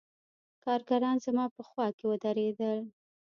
کارګران زما په خوا کښې ودرېدل.